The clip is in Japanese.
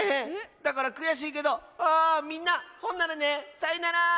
だからくやしいけどあみんなほんならねさいなら。